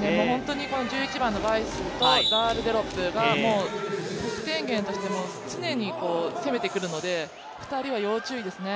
本当に１１番のバイスとダールデロップがもう得点源として常に攻めてくるので２人は要注意ですね。